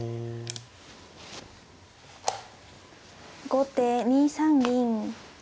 後手２三銀。